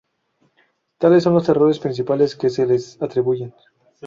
Tales son los errores principales que se les atribuyen.